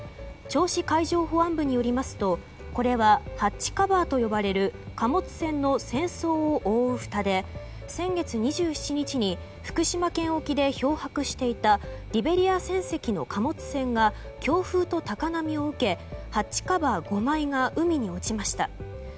銚子海上保安部によりますとこれはハッチカバーと呼ばれる貨物船の船倉を覆うふたで先月２７日に福島県沖で漂泊していたリベリア船籍の貨物船が強風と高波を受けハッチカバー５枚が海に落ちました。